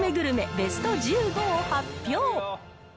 ベスト１５を発表。